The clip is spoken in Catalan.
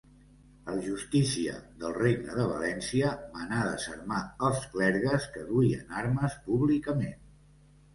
El Justícia del Regne de València manà desarmar els clergues que duien armes públicament.